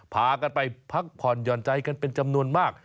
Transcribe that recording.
พากันไปพักผ่อนหย่อนใจกันเป็นจำนวนมาก